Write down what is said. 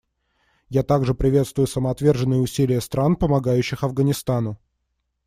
Я также приветствую самоотверженные усилия стран, помогающих Афганистану.